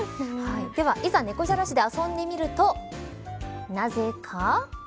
ではいざねこじゃらしで遊んでみるとなぜか。